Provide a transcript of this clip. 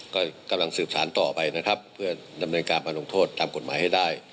ก็กำลังสืบสารต่อไปนะครับเพื่อดำเนินการมาลงโทษตามกฎหมายให้ได้